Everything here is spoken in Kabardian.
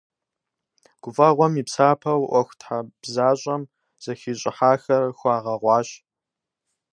ГуфӀэгъуэм и псапэу, ӀуэхутхьэбзащӀэм зэхищӀыхьахэр хуагъэгъуащ.